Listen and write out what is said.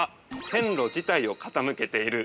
◆線路自体を傾けている。